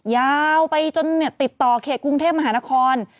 ยาวไปจนติดต่อเขตกรุงเทพมหานคร